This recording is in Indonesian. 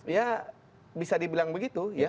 ya bisa dibilang begitu ya